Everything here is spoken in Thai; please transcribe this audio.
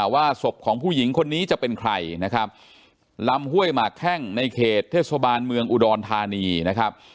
ว่าศพของผู้หญิงคนนี้จะเป็นใครนะครับลำห้วยหมากแข้งในเขตเทศบาลเมืองอุดรธานีนะครับ